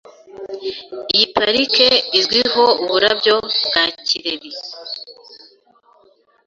Iyi parike izwiho uburabyo bwa kireri .